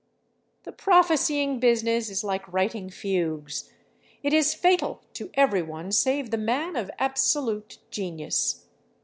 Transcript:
The prophesying business is like writing fugues; it is fatal to every one save the man of absolute genius.